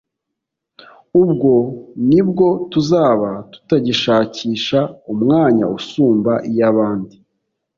ubwo ni bwo tuzaba tutagishakisha umwanya usumba iy’abandi